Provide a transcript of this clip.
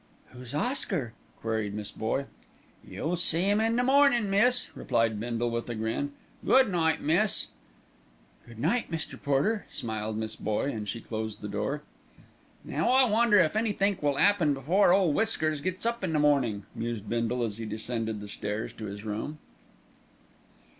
"Who's Oscar?" queried Miss Boye. "You'll see 'im in the mornin', miss," replied Bindle with a grin. "Good night, miss." "Good night, Mr. Porter," smiled Miss Boye, and she closed the door. "Now I wonder if anythink will 'appen before Ole Whiskers gets up in the mornin'," mused Bindle as he descended the stairs to his room.